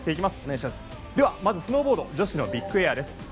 まずスノーボード女子のビッグエアです。